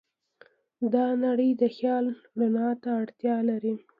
دا نړۍ د خیال رڼا ته اړتیا لري.